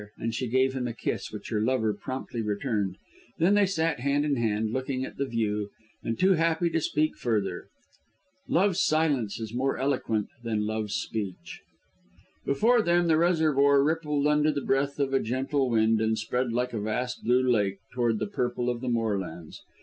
and she gave him a kiss which her lover promptly returned. Then they sat hand in hand, looking at the view, and too happy to speak further. Love's silence is more eloquent than Love's speech. Before them the reservoir rippled under the breath of a gentle wind, and spread like a vast blue lake toward the purple of the moorlands.